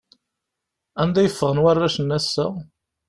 Anda i ffɣen warrac-nni ass-a?